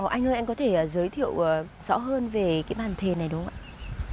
anh ơi anh có thể giới thiệu rõ hơn về cái bàn thề này đúng không ạ